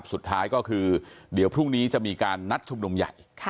สุดท้ายก็คือเดี๋ยวพรุ่งนี้จะมีการนัดชุมนุมใหญ่